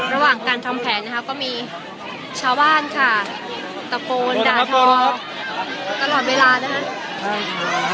ระหว่างการทำแผนนะคะก็มีชาวบ้านค่ะตะโกนด่าทอตลอดเวลานะครับ